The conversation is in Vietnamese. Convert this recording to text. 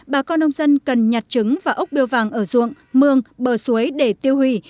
bà con nông dân cần nhặt trứng và ốc biêu vàng ở ruộng mương bờ suối để tiêu hủy